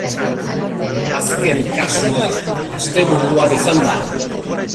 Azken kasua asteburuan izan da.